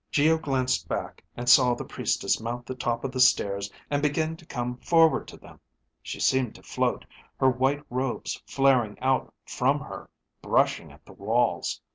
Geo glanced back and saw the Priestess mount the top of the stairs and begin to come toward them. She seemed to float, her white robes flaring out from her, brushing at the walls.